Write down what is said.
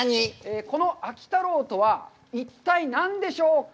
この秋太郎とは一体何でしょうか？